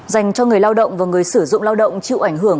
dành cho người lao động và người sử dụng lao động chịu ảnh hưởng